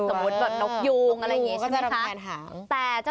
แบบนกยูงอะไรอย่างนี้ใช่ไหมคะ